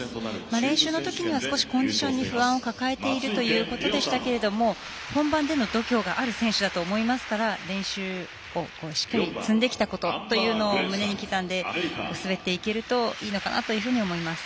練習の時には少しコンディションに不安を抱えているということでしたけど本番での度胸がある選手だと思いますから練習をしっかりつんできたことというのを胸に刻んで滑っていければいいかなと思います。